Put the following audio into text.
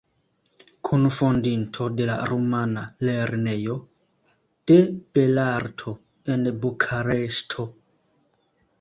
Kunfondinto de la rumana Lernejo de belarto en Bukareŝto.